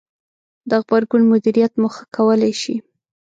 -د غبرګون مدیریت مو ښه کولای ش ئ